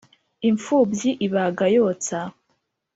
Impfubyi ibaga yotsa.